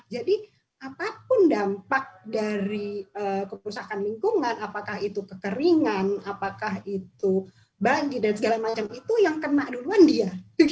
jadi apapun dampak dari keperusakan lingkungan apakah itu kekeringan apakah itu banjir dan segala macam itu yang kena duluan dia